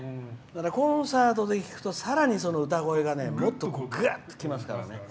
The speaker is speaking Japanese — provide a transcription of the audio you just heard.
コンサートで聴くとさらに、その歌声がもっと、ぐっときますからね。